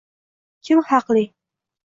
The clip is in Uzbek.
kim haqli